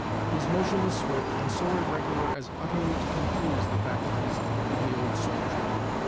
His motion was swift, and so irregular as utterly to confuse the faculties of the old soldier.